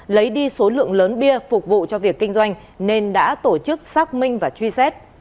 lấy đi số lượng lớn bia phục vụ cho việc kinh doanh nên đã tổ chức xác minh và truy xét